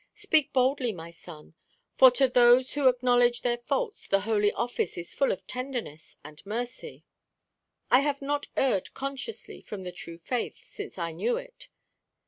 Speak boldly, my son; for to those who acknowledge their faults the Holy Office is full of tenderness and mercy." "I have not erred, consciously, from the true faith, since I knew it."